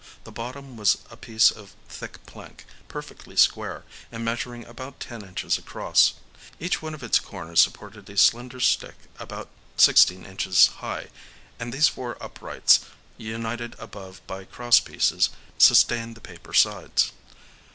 The bottom was a piece of thick plank, perfectly square, and measuring about ten inches across. Each one of its corners supported a slender slick about sixteen inches high; and these four uprights, united above by cross pieces, sustained the paper sides.